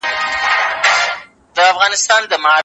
پوهه هغه شتمني ده چي نه غلا کيږي.